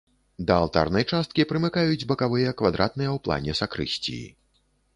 Да алтарнай часткі прымыкаюць бакавыя квадратныя ў плане сакрысціі.